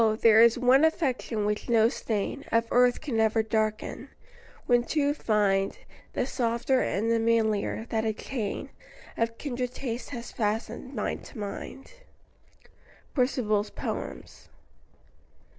there is one affection which no stain Of earth can ever darken; when two find, The softer and the manlier, that a chain Of kindred taste has fastened mind to mind." PERCIVAL'S POEMS.